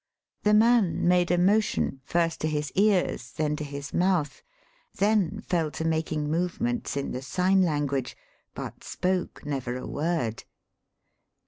The man made a motion first to his ears, then to his mouth, then fell to making movements in the sign language, but spoke never a word.